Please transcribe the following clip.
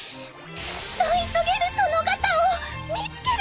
添い遂げる殿方を見つけるためなの！